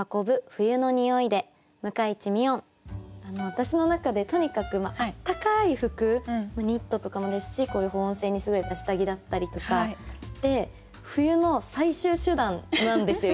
私の中でとにかくあったかい服ニットとかもですしこういう保温性に優れた下着だったりとかで冬の最終手段なんですよ